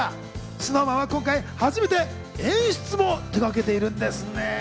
ＳｎｏｗＭａｎは今回初めて演出も手がけているんですね。